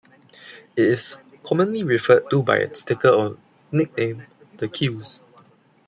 It is commonly referred to by its ticker or nickname, "the que's".